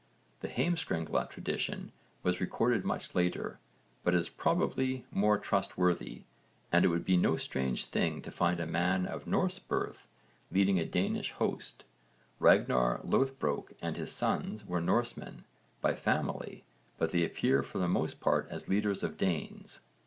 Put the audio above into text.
The Heimskringla tradition was recorded much later, but is probably more trustworthy, and it would be no strange thing to find a man of Norse birth leading a Danish host. Ragnarr Loðbrók and his sons were Norsemen by family but they appear for the most part as leaders of Danes.